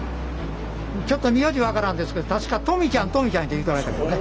ちょっと名字分からんですけど確か登美ちゃん登美ちゃんっていうておられたけどね。